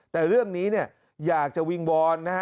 แต่เรื่องนี้อยากจะวิงวอนนะฮะ